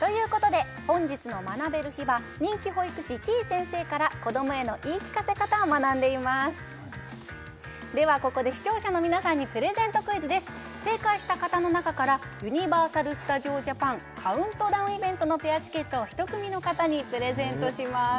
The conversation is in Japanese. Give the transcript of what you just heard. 先生から子どもへの言い聞かせ方を学んでいますではここで視聴者の皆さんにプレゼントクイズです正解した方の中からユニバーサル・スタジオ・ジャパンカウントダウンイベントのペアチケットを１組の方にプレゼントします